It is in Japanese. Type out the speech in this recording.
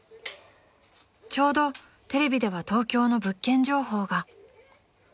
［ちょうどテレビでは東京の物件情報が］